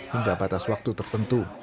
hingga batas waktu tertentu